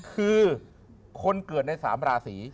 คือคนเกิดใน๓ราศี